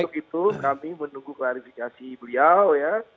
untuk itu kami menunggu klarifikasi beliau ya